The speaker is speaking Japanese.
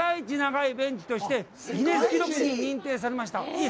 一長いベンチとしてギネス記録に認定されました。